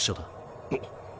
あっ。